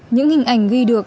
những hình ảnh ghi được